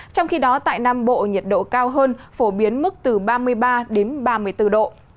trong khi đó tại nam bộ nhiệt độ cao hơn phổ biến mức từ ba mươi ba đến ba mươi bốn độ